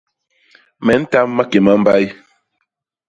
Me ntam maké ma mbay.